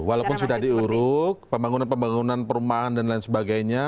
walaupun sudah diuruk pembangunan pembangunan perumahan dan lain sebagainya